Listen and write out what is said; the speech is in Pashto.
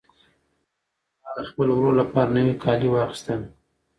زه به سبا د خپل ورور لپاره نوي کالي واخیستل.